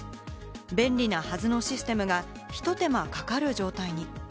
便利なはずのシステムがひと手間かかる状態に。